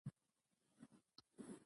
افغانستان د فاریاب له امله شهرت لري.